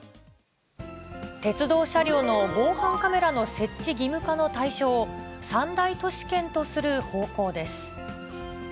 鉄道車両の防犯カメラの設置義務化の対象を三大都市圏とする方向です。